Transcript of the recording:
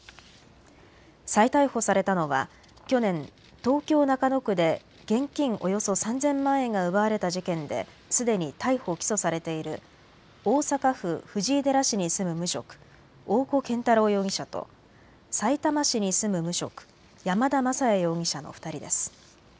再逮捕されたのは去年、東京中野区で現金およそ３０００万円が奪われた事件ですでに逮捕・起訴されている大阪府藤井寺市に住む無職、大古健太郎容疑者とさいたま市に住む無職、山田雅也容疑者の２人です。